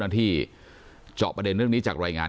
ไม่มี